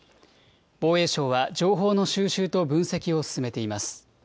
防衛省は情報の収集と分析を進めています。